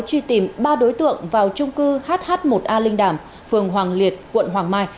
truy tìm ba đối tượng vào trung cư hh một a linh đàm phường hoàng liệt quận hoàng mai